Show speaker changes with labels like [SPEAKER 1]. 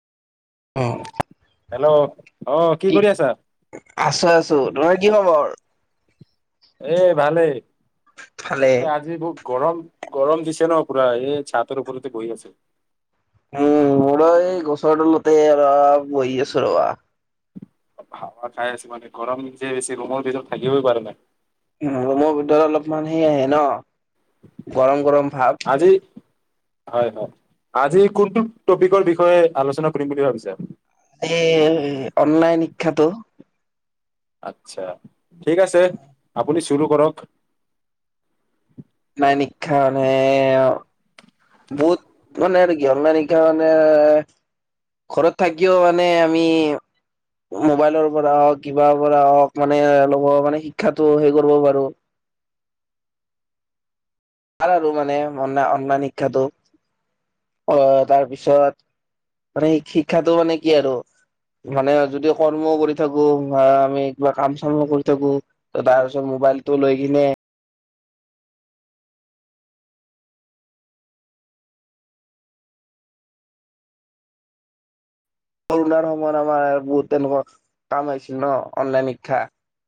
[SPEAKER 1] অ
[SPEAKER 2] hello অ কি কৰি আছা?
[SPEAKER 1] আছোঁ আছোঁ তোমাৰ কি খবৰ।
[SPEAKER 2] এ ভালেই এ
[SPEAKER 1] ভালে
[SPEAKER 2] আজি বহু। গৰম গৰম দিছে ন পুৰা এই ছাতৰ ওপৰতে বহি আছো।
[SPEAKER 1] উম মোৰো এই গছৰ তলতে অলপ বহি আছোঁ ৰ'বা।
[SPEAKER 2] হাৱা খাই আছে মানে গৰম যে বেচি ৰুমৰ ভিতৰত থাকিবই পাৰা নাই।
[SPEAKER 1] ৰুমৰ ভিতৰত অলপমান হেই আহে ন গৰম গৰম ভাপ।
[SPEAKER 2] আজি। হয় হয় আজি কোনটো টপিকৰ বিষয়ে আলোচনা কৰিম বুলি ভাবিছা।
[SPEAKER 1] এই অনলাইন শিক্ষাতো।
[SPEAKER 2] আচ্ছা ঠিক আছে আপুনি চুৰু কৰক।
[SPEAKER 1] অনলাইন শিক্ষা মানে অ। বহুত মানে কি অনলাইন শিক্ষা মানে। ঘৰত থাকিও মানে আমি। মোবাইলৰ পৰা হওঁক কিবাৰ পৰা হওঁক মানে লব মানে শিক্ষাটো হেৰি কৰিব পাৰোঁ। ভাল আৰু মানে অন অনলাইন শিক্ষাটো অ তাৰপিছত। মানে শিক্ষাটো মানে কি আৰু। মানে যদি কৰ্মও কৰি থাকোঁ বা আমি কিবা কাম চামো কৰি থাকোঁ। ত' তাৰ পিছত মোবাইলটো লৈ কিনে। ক'ৰণাৰ সময়ত আমাৰ বহুত তেনেকুৱা কাম আহিছিল ন অনলাইন শিক্ষা।